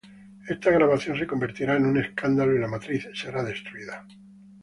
Esta grabación se convertirá en un escándalo y la matriz será destruida.